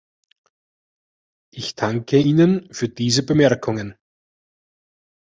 Ich danke Ihnen für diese Bemerkungen.